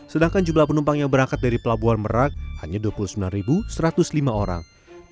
sedangkan jumlah penumpang yang berangkat dari pelabuhan merak hanya dua puluh sembilan satu ratus lima orang